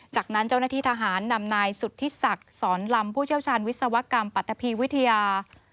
จากนั้นเจ้าหน้าที่ทหารนำนายสุธิศักดิ์สอนลำผู้เชี่ยวชาญวิศวกรรมปัตตะพีวิทยา